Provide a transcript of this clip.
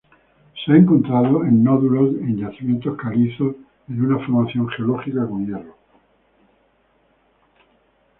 Se ha encontrado en nódulos en yacimientos calizos en una formación geológica con hierro.